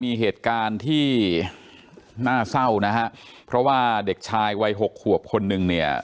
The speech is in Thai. มีเหตุการณ์ที่น่าเศร้านะฮะเพราะว่าเด็กชายวัยหกขวบคนหนึ่งเนี่ย